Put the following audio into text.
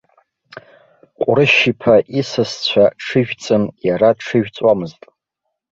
Ҟәрышә-иԥа исасцәа ҽыжәҵын, иара дҽыжәҵуамызт.